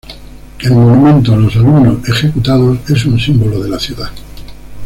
El monumento a los alumnos ejecutados es un símbolo de la ciudad.